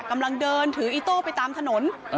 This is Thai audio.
กำลังเดินถืออีโต้ไปตามถนน